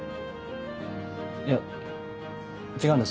いや違うんだよ